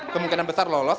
kemungkinan besar lolos